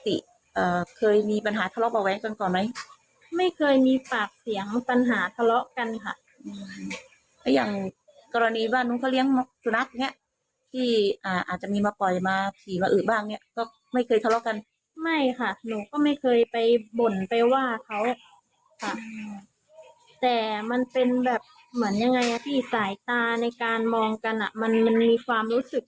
แต่มันเป็นแบบเหมือนยังไงนะพี่สายตาในการมองกันมันมีความรู้สึกถึงกันได้ว่าไม่โอเคกันอย่างนี้ค่ะ